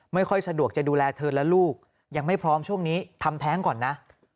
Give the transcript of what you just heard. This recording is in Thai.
ไม่ค่อยสะดวกจะดูแลเธอและลูกยังไม่พร้อมช่วงนี้ทำแท้งก่อนนะ